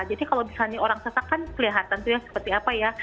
jadi kalau misalnya orang sesak kan kelihatan itu seperti apa ya